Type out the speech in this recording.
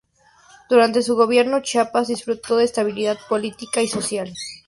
Durante su gobierno Chiapas disfrutó de estabilidad política y social.